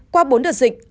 qua bốn đợt dịch